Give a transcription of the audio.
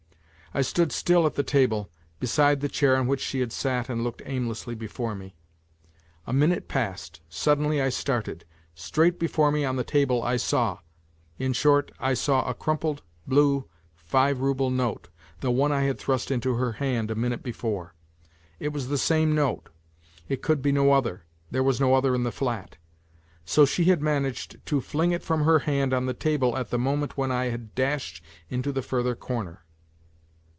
I stood still at the table, beside the chair on which she had sat and looked aimlessly before me. A minute passed, suddenly I started ; straight before me on the table I saw. ... In short, I saw a crumpled blue five rouble note, the one I had thrust into her hand a minute before. It was the same note; it could be no other, there was no other in the flat. So she had managed to fling it from her hand on the table at the moment when I had dashed into the further corner.